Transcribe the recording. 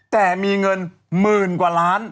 แต่มีเงินหมื่นกว่าล้าน